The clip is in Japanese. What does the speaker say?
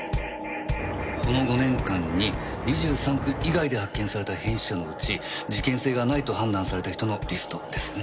この５年間に２３区以外で発見された変死者のうち事件性がないと判断された人のリストですよね？